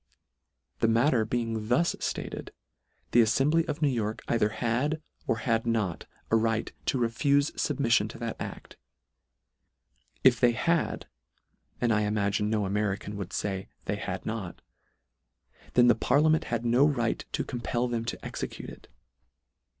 The matter being thus ftated, the affembly of New York either had, or had not a right to refufe fubmimon to that act. If they L ETTE R I . 9 had, and I imagine no American will fay, they had not, then the parliament had no right to compel them to execute it.